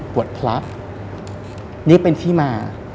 บวชพลักษณ์นี่เป็นที่มา